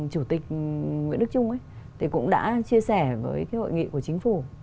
chủ tịch nguyễn đức trung ấy thì cũng đã chia sẻ với hội nghị của chính phủ